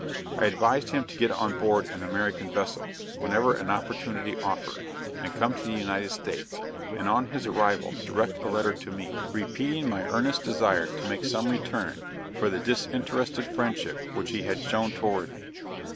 I advised him to get on board an American vessel, whenever an opportunity offered, and come to the United States; and on his arrival direct a letter to me; repeating my earnest desire to make some return for the disinterested friendship which he had shown toward me.